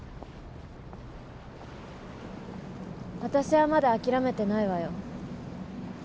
私はまだ諦めてないわよ。